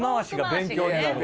勉強になる。